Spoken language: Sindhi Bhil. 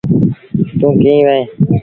توݩ ڪيݩ وهيݩ۔